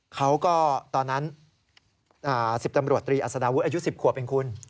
เขาก็ตอนนั้น๑๐ตำรวจตรีอัศดาวุฒิอายุ๑๐ขวบเองคุณ